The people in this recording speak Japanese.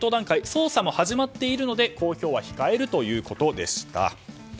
捜査も始まっているので公表は控えるということでした。